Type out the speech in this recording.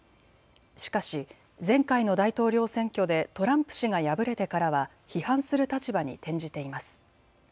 しかし前回の大統領選挙でトランプ氏が敗れてからは批判する立場に転じています。